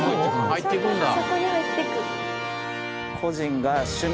入って行くんだ。